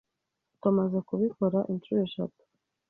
Tumaze kubikora inshuro eshatu.